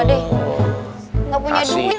dek nggak punya duit